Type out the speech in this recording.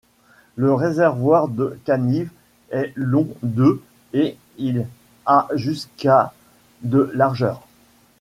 Le réservoir de Kaniv est long de et il a jusqu'à de largeur.